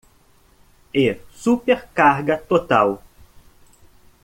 E super carga total